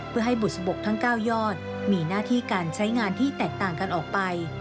เพื่อให้บุษบกทั้ง๙ยอดมีหน้าที่การใช้งานที่แตกต่างกันออกไป